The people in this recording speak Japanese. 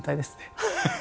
ハハハハ！